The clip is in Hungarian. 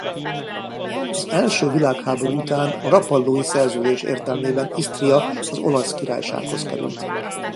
Az első világháború után a rapallói szerződés értelmében Isztria az Olasz Királysághoz került.